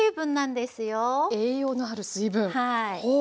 栄養のある水分ほう。